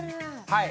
はい。